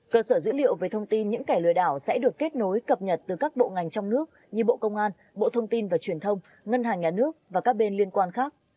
cơ sở dữ liệu về thông tin những kẻ lừa đảo sẽ được kết nối cập nhật từ các bộ ngành trong nước như bộ công an bộ thông tin và truyền thông ngân hàng nhà nước và các bên liên quan khác